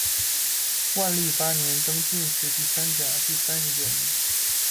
万历八年，登进士第三甲第三十九名。